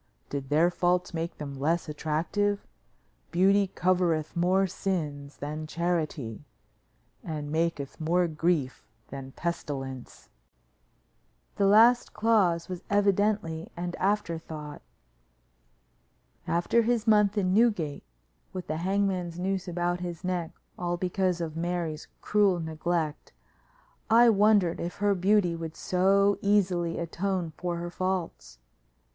Did their faults make them less attractive? Beauty covereth more sins than charity and maketh more grief than pestilence." The last clause was evidently an afterthought. After his month in Newgate with the hangman's noose about his neck all because of Mary's cruel neglect, I wondered if her beauty would so easily atone for her faults.